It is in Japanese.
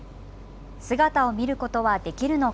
姿を見ることはできるのか。